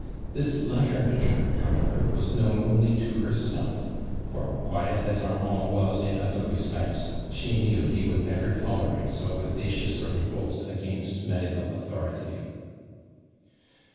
This latter measure, however, was known only to herself, lor quiet as Armand was in other respects, she knew he would never tolerate so audacious a revolt against medi cal authority.